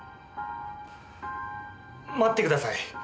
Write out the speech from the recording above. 待ってください。